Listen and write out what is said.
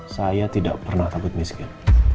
saya tidak pernah takut miskin